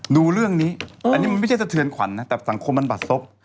ดูเรื่องนี้อันนี้มันไม่ใช่สะเทือนขวัญนะแต่สังคมมันบาดซบ